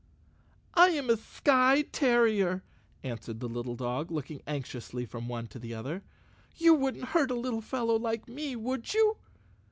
"I am a skye terrier," answered the little dog, look¬ ing anxiously from one to the other. "You wouldn't hurt a little fellow like me, would you?"